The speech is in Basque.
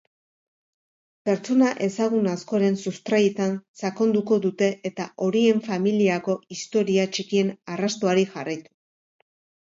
Pertsona ezagun askoren sustraietan sakonduko dute eta horien familiako historia txikien arrastoari jarraitu.